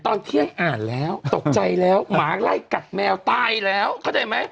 ตอนเที่ยงอ่านแล้วตกใจแล้วหมาไล่กัดแมวตายแล้วเข้าใจไหม